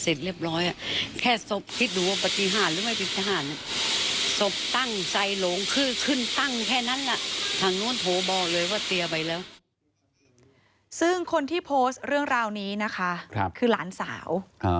ซึ่งคนที่โพสต์เรื่องราวนี้นะคะคือหลานสาว